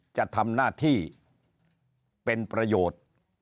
จะทำหน้าที่เป็นประโยชน์